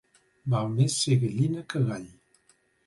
Val més ser gallina que gall.